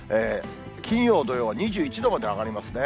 金曜、土曜２１度まで上がりますね。